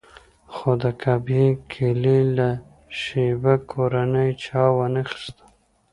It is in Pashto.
خو د کعبې کیلي له شیبه کورنۍ چا وانخیسته.